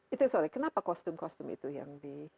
itu sorry kenapa kostum kostum itu yang di